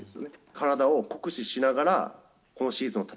体を酷使しながら、今シーズン戦